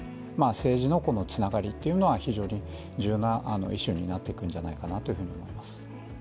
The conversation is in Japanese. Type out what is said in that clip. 政治のつながりというのは非常に重要なイシューになっていくんじゃないかなと思います。